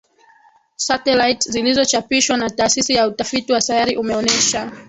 satelite zilizochapishwa na taasisi ya utafiti wa sayari umeonesha